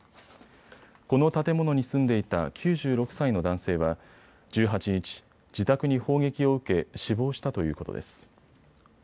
この建物に住んでいた９６歳の男性は１８日、自宅に砲撃を受け死亡したということです。